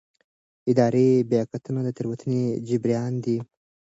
اداري بیاکتنه د تېروتنې جبران دی.